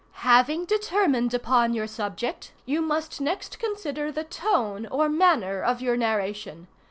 "Having determined upon your subject, you must next consider the tone, or manner, of your narration.